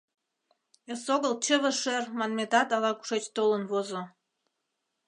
Эсогыл «чыве шӧр» манметат ала-кушеч толын возо.